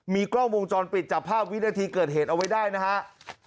มีกล้องวงจรปิดจับภาพวินาทีเกิดเหตุเอาไว้ได้นะครับ